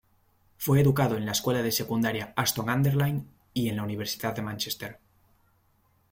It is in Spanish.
Fue educado en la escuela de secundaria Ashton-under-Lyne y en la Universidad de Mánchester.